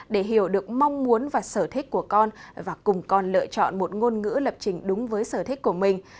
để hiểu được mong muốn và sở thích của con và cùng con lựa chọn một ngôn ngữ lập trình đúng với sở thích của mình